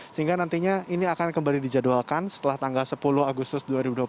sehingga nantinya ini akan kembali dijadwalkan setelah tanggal sepuluh agustus dua ribu dua puluh